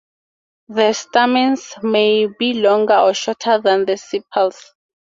The stamens may be longer or shorter than the sepals.